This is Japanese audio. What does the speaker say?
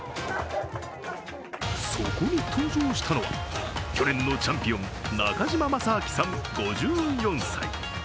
そこに登場したのは、去年のチャンピオン、中島正明さん、５４歳。